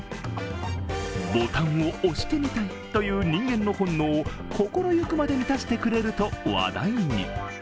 ボタンを押してみたいという人間の本能を心ゆくまで満たしてくれると話題に。